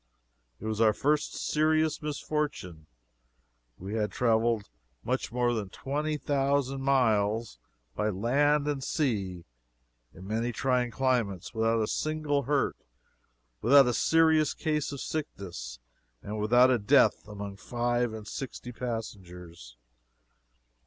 It was our first serious misfortune. We had traveled much more than twenty thousand miles, by land and sea, in many trying climates, without a single hurt, without a serious case of sickness and without a death among five and sixty passengers.